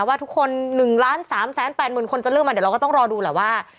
ว่าทุกคน๑๓๘๐๐๐คนจะเลือกมาเดี๋ยวเราก็ต้องรอดูแหละว่า